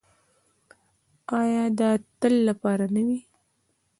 آیا د تل لپاره نه وي؟